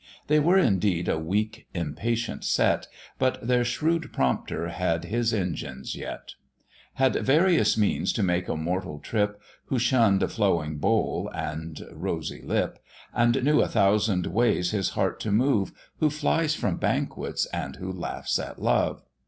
They were indeed a weak, impatient set, But their shrewd prompter had his engines yet; Had various means to make a mortal trip, Who shunn'd a flowing bowl and rosy lip; And knew a thousand ways his heart to move, Who flies from banquets and who laughs at love.